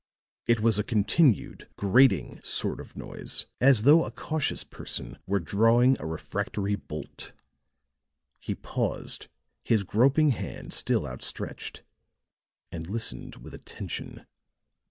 It was a continued, grating sort of noise, as though a cautious person were drawing a refractory bolt. He paused, his groping hand still outstretched, and listened with attention.